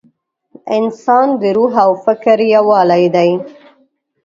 انسان د روح او فکر یووالی دی.